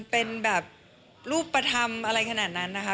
เป็นแบบรูปธรรมอะไรขนาดนั้นนะคะ